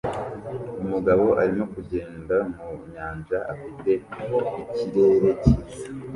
Umugabo arimo kugenda mu nyanja afite ikirere cyiza